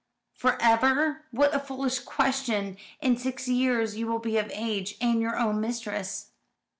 "For ever! What a foolish question. In six years you will be of age, and your own mistress."